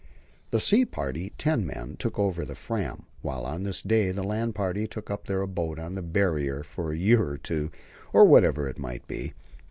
The sea party ten men took over the Fram, while on this day the land party took up their abode on the Barrier for a year or two, or whatever it might be.